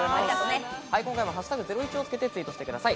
今回も「＃ゼロイチ」をつけてツイートしてください。